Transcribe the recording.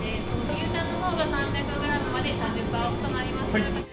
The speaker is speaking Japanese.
牛タンのほうが３００グラムまで３０％オフとなります。